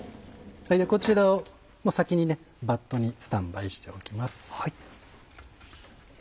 こちらを先にバットにスタンバイしておきます。